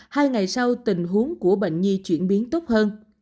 hai ngày sau tình huống của bệnh nhi chuyển biến tốt hơn